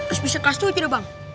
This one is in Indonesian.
terus bisa kelas tuh aja deh bang